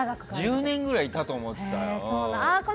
１０年ぐらいいたと思ってた。